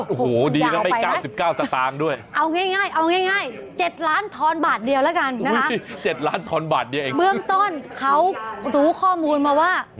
โอ้โหดีนะใน๙๙สตางค์เอ้าง่าย๗ล้านทรบาทเดียวแล้วเบื้องต้นเขารู้ข้อมูลมาว่า